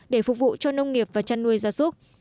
để phục vụ cho nông nghiệp và chăn nuôi gia súc